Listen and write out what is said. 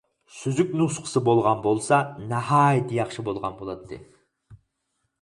سۈزۈك نۇسخىسى بولغان بولسا ناھايىتى ياخشى بولغان بولاتتى.